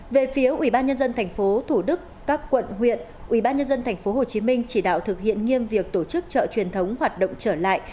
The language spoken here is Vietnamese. về phía ubnd tp thủ đức các quận huyện ubnd tp hcm chỉ đạo thực hiện nghiêm việc tổ chức chợ truyền thống hoạt động trở lại